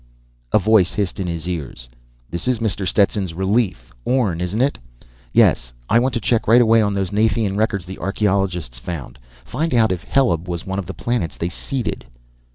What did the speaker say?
"_ A voice hissed in his ears: "This is Mr. Stetson's relief. Orne, isn't it?" _"Yes. I want a check right away on those Nathian records the archaeologists found. Find out if Heleb was one of the planets they seeded."